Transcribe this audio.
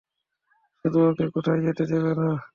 শুধু একে কোথায় যেতে দেবে না।